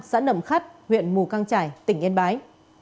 xã nậm khắt huyện mù căng trải tỉnh yên bái